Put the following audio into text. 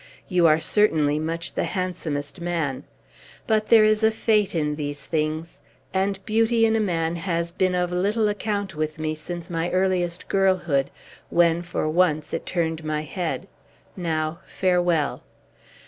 You are certainly much the handsomest man. But there is a fate in these things. And beauty, in a man, has been of little account with me since my earliest girlhood, when, for once, it turned my head. Now, farewell!"